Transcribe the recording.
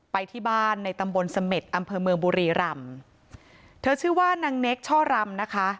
ไปที่บ้านในตำบลเสม็ดอำเภอเมืองบุรีรำเธอชื่อว่านางเนคช่อรำนะคะ